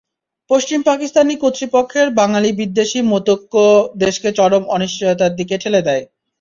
পশ্চিম পাকিস্তানি কর্তৃপক্ষের বাঙালি-বিদ্বেষী মতৈক্য দেশকে চরম অনিশ্চয়তার দিকে ঠেলে দেয়।